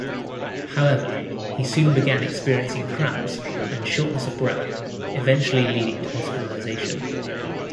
However, he soon began experiencing cramps and shortness of breath, eventually leading to hospitalization.